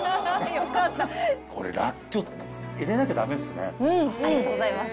これ、らっきょう、入れなきありがとうございます。